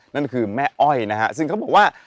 นั่นคือแม่อ้อยนะฮะซึ่งเขาบอกว่า